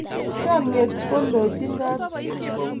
chamiet ko ndogin kap chii